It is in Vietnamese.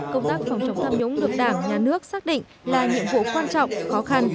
công tác phòng chống tham nhũng được đảng nhà nước xác định là nhiệm vụ quan trọng khó khăn